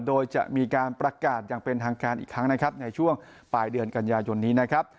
โดยจะมีการประกาศอย่างเป็นทางการอีกครั้งนะครับในช่วงปลายเดือนกันยายนนี้นะครับ